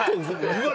「うわ。